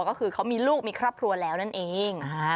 ก็คือเขามีลูกมีครอบครัวแล้วนั่นเอง